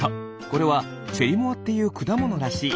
これはチェリモアっていうくだものらしい。